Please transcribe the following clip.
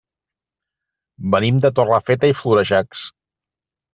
Venim de Torrefeta i Florejacs.